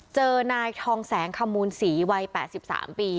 เจอนายทองแสงขมูลศรีวัยแปดสิบสามปี